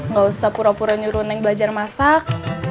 gak usah pura pura nyuruh neng belajar masak